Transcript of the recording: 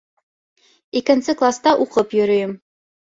Икенсе класта уҡып йөрөйөм.